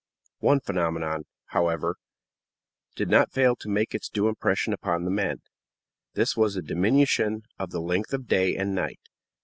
One phenomenon, however, did not fail to make its due impression upon the men; this was the diminution in the length of day and night.